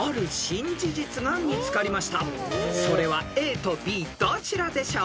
［それはＡとＢどちらでしょう？］